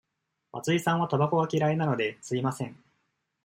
松井さんはたばこが嫌いなので、吸いません。